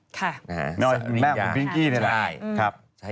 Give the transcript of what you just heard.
แม่อ้อยแม่ของพิ้งกี้เนี่ยแหละ